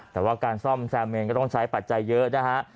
แต่ว่าการซ่อมแซมเมนก็ต้องใช้ปัจจัยเยอะนะฮะ